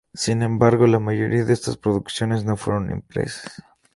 Sin embargo, la mayoría de estas producciones no fueron impresas.